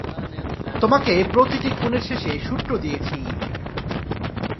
তোমাকে প্রতিটি খুনের শেষে সূত্র দিয়েছি।